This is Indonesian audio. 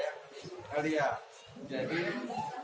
ada yang mau jadi kebenar nggak